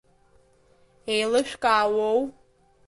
Еилышәкаауоу?